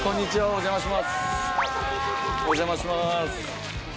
お邪魔します。